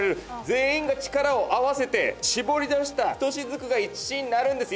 全員が力を合わせて搾り出したひとしずくが１シーンになるんです